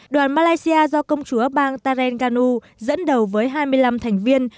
đoàn malaysia do công chúa bang tarenganu dẫn đầu với hai mươi năm thành viên